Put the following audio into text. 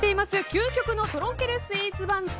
究極のとろけるスイーツ番付